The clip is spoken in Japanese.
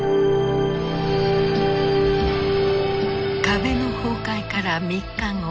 壁の崩壊から３日後。